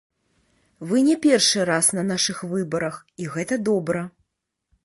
Вы не першы раз на нашых выбарах, і гэта добра.